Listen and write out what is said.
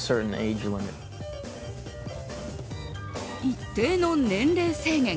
一定の年齢制限。